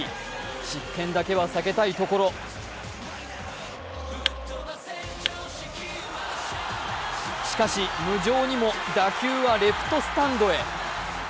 失点だけは避けたいところしかし無情にも打球はレフトスタンドへ。